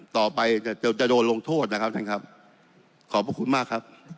ต่อไปจะจะโดนลงโทษนะครับท่านครับขอบพระคุณมากครับ